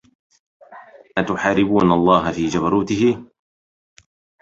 أتحاربون الله في جبروته